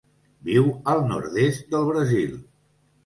Viu al nord-est del Brasil.